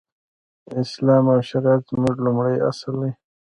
اسلام او شريعت زموږ لومړی اصل دی.